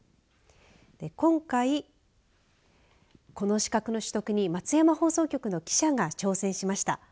今回この資格の取得に、松山放送局の記者が挑戦しました。